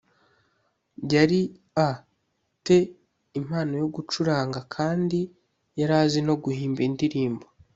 yari a te impano yo gucuranga kandi yari azi no guhimba indirimbo